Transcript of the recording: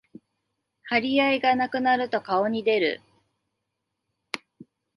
張り合いがなくなると顔に出る